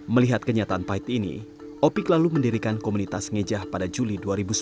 melihat kenyataan pahit ini opik lalu mendirikan komunitas ngejah pada juli dua ribu sembilan belas